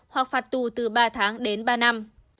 hoặc phạt tù từ ba tháng đến ba năm